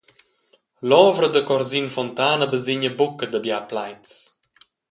L’ovra da Corsin Fontana basegna buca da bia plaids.